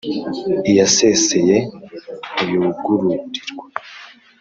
Iyaseseye ntiyugururirwa.